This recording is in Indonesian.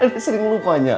eh dia sering lupanya